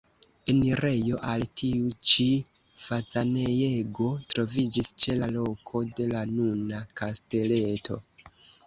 Enirejo al tiu ĉi fazanejego troviĝis ĉe la loko de la nuna kasteleto.